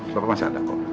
bapak masih ada kok